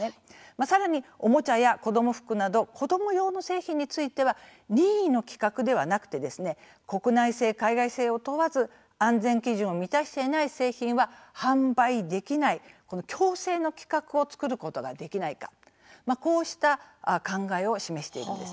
さらに、おもちゃや子ども服など子ども用の製品については任意の規格ではなくて国内製、海外製を問わず安全基準を満たしてない製品は販売できない強制の規格を作ることができないか、こうした考えを示しているんです。